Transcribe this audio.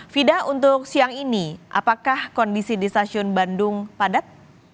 fida untuk siang ini apakah kondisi di stasiun bandung padat